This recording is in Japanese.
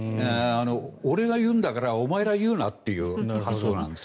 俺が言うんだからお前が言うなという発想なんです。